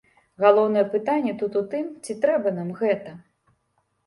Галоўнае пытанне тут у тым, ці трэба нам гэта?